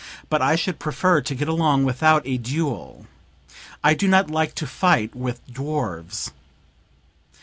But I should prefer to get along without a duel; I do not like to fight with dwarfs."